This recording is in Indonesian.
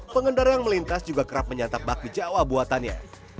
pengendara yang melintas juga kerap menyantap bakmi jawa buatannya